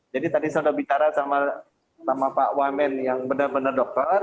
jadi tadi sudah bicara sama pak wamen yang benar benar dokter